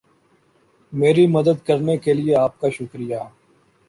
میری مدد کرنے کے لئے آپ کا شکریہ